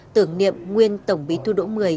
tưởng niệm nguyên tổng bí thư đỗ mười